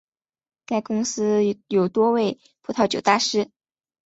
该公司有多位葡萄酒大师。